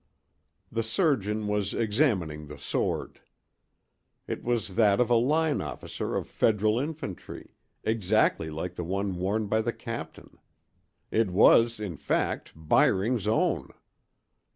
The surgeon was examining the sword. It was that of a line officer of Federal infantry—exactly like the one worn by the captain. It was, in fact, Byring's own.